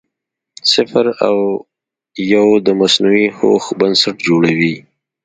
صفر او یو د مصنوعي هوښ بنسټ جوړوي.